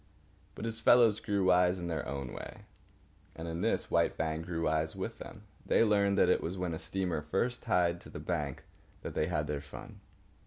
But his fellows grew wise in their own way; and in this White Fang grew wise with them. They learned that it was when a steamer first tied to the bank that they had their fun.